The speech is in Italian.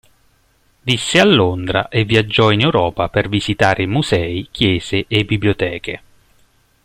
Visse a Londra e viaggiò in Europa per visitare musei, chiese e biblioteche.